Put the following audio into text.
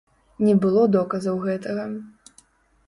Не было доказаў гэтага.